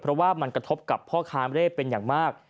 เพราะว่ามันกระทบกับพ่อค้าเร่เป็นอย่างมาก